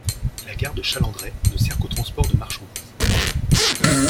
La gare de Chalandray ne sert qu'au transport de marchandises.